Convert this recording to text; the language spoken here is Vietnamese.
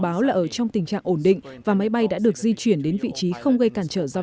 báo là ở trong tình trạng ổn định và máy bay đã được di chuyển đến vị trí không gây cản trở giao